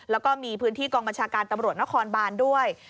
แล้วก็มีพื้นที่กองบัญชาการตำรวจนครบานด้วย